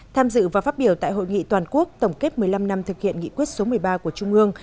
tham dự và phát biểu tại hội nghị toàn quốc tổng kết một mươi năm năm thực hiện nghị quyết số một mươi ba của trung ương